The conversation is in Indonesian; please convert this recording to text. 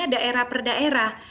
daerah per daerah